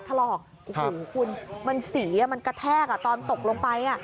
โอ้โฮคุณมันเสียมันกระแทกตอนตกลงไป